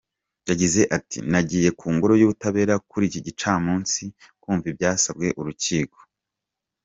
Yagize ati, "Nagiye ku ngoro y’ubutabera kuri iki gicamunsi, kumva ibyasabwe urukiko.